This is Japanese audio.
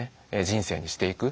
人生にしていく。